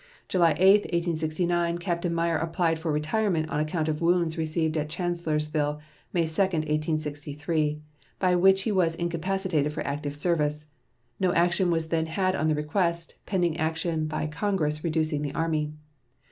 July 8, 1869, Captain Meyer applied for retirement on account of wounds received at Chancellorsville May 2, 1863, by which he was incapacitated for active service. No action was then had on the request, pending action by Congress reducing the Army.